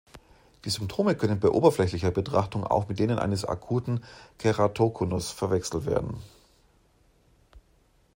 Die Symptome können bei oberflächlicher Betrachtung auch mit denen eines akuten Keratokonus verwechselt werden.